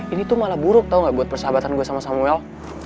ini tuh malah buruk tau gak buat persahabatan gue sama samuel